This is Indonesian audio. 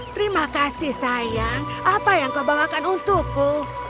terima kasih sayang apa yang kau bawakan untukku